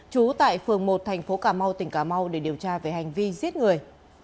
trú tại phường một tp cà mau tỉnh cà mau để điều tra về hành vi giết người